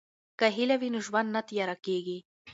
که هیله وي نو ژوند نه تیاره کیږي.